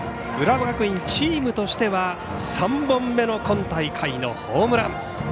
浦和学院、チームとしては３本目の今大会のホームラン。